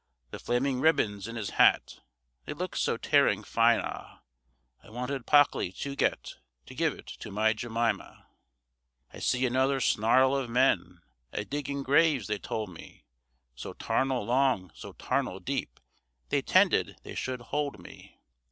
The flaming ribbons in his hat, They looked so tearing fine ah, I wanted pockily to get, To give to my Jemimah. I see another snarl of men A digging graves, they told me, So tarnal long, so tarnal deep, They 'tended they should hold me.